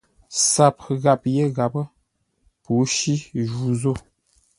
SAP ghap yé ghapə́; pǔshí ju zô.